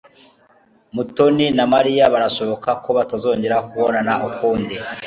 Mutoni na Mariya birashoboka ko batazongera kubonana ukundi